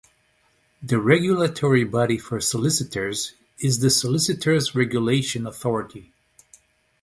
The regulatory body for solicitors is the Solicitors Regulation Authority.